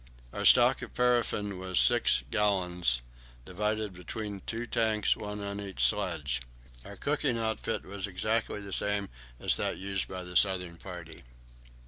Our stock of paraffin was 6 1/2 gallons, divided between two tanks, one on each sledge. Our cooking outfit was exactly the same as that used by the southern party.